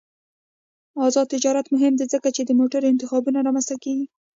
آزاد تجارت مهم دی ځکه چې د موټرو انتخابونه رامنځته کوي.